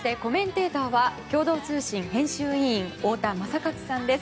そして、コメンテーターは共同通信編集委員太田昌克さんです。